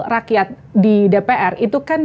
rakyat di dpr itu kan